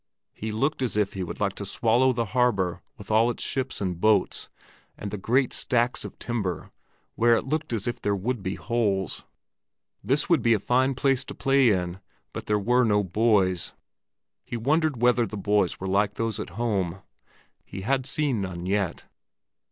He looked as if he would like to swallow the harbor with all its ships and boats, and the great stacks of timber, where it looked as if there would be holes. This would be a fine place to play in, but there were no boys! He wondered whether the boys were like those at home; he had seen none yet.